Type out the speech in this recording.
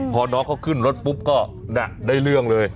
พอน้องเขาขึ้นรถปุ๊บก็ได้เรื่องเลย